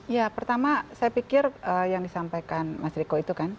ya pertama saya pikir yang disampaikan mas riko itu kan